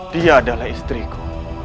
dia adalah istriku